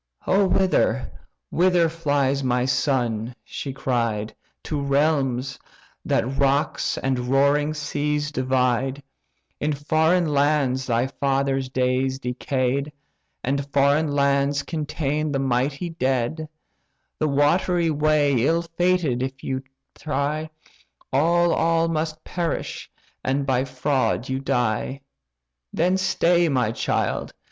"O whither, whither flies my son (she cried) To realms; that rocks and roaring seas divide? In foreign lands thy father's days decay'd. And foreign lands contain the mighty dead. The watery way ill fated if thou try, All, all must perish, and by fraud you die! Then stay, my, child!